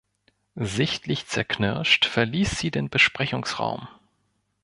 Sichtlich zerknirscht verließ sie den Besprechungsraum.